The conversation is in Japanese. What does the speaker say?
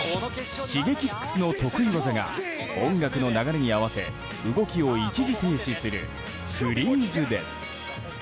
Ｓｈｉｇｅｋｉｘの得意技が音楽の流れに合わせ動きを一時停止するフリーズです。